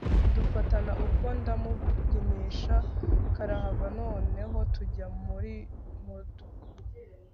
dufatana ubwo ndamubyinisha karahava noneho tujya muri mudu